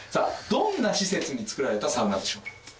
どんな施設に作られたサウナでしょう。